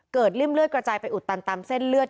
ริ่มเลือดกระจายไปอุดตันตามเส้นเลือด